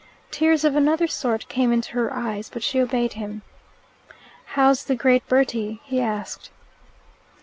Tears of another sort came into her eyes, but she obeyed him. "How's the great Bertie?" he asked.